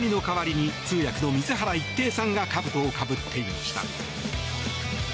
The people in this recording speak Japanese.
ベンチでは大谷の代わりに通訳の水原一平さんがかぶとをかぶっていました。